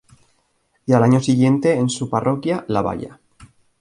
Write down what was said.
Y al año siguiente en su parroquia, La Valla.